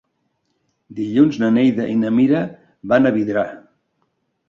Dilluns na Neida i na Mira van a Vidrà.